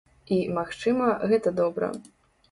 І, магчыма, гэта добра.